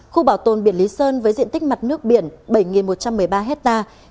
khu bảo tồn biển lý sơn với diện tích mặt nước biển bảy một trăm một mươi ba hectare